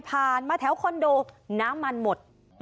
มาแถวคอนโดน้ำมันหมด